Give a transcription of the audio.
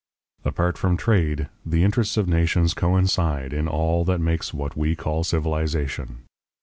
Apart from trade, the interests of nations coincide in all that makes what we call civilization.